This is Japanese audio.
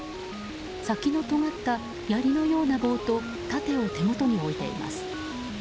先のとがったやりのような棒と盾を手元に置いています。